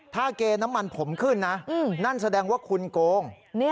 ถ้าเกณฑ์น้ำมันผมขึ้นนะนั่นแสดงว่าคุณโกง